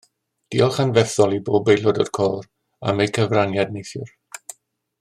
Diolch anferthol i bob aelod o'r côr am eu cyfraniad neithiwr